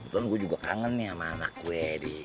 tentu gue juga kangen nih sama anak gue dik